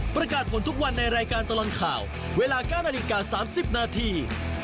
ประกาศผลทุกวันในรายการตลอดข่าวเวลา๙นาฬิกา๓๐นาที